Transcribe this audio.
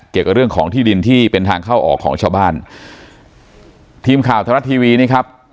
เกี่ยวกับเรื่องของที่ดินที่เป็นทางเข้าออกของชาวบ้านทีมข่าวธรรมรัฐทีวีนี่ครับ